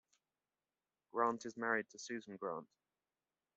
Grant is married to Susan Grant.